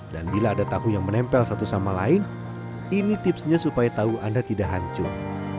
dan bila ada tahu yang menempel satu sama lain ini tipsnya supaya tahu anda tidak hancur